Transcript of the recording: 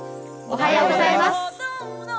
おはようございます。